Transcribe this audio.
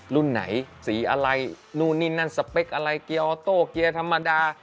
รุ่นไหนสีอะไรนู่นนี่นั่นสเปคอะไรเกียร์ออโต้เกียร์ธรรมดา